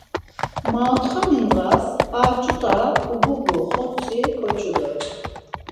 Maotxani ndğas ar ç̌ut̆a ugubu xortzi koçu doren.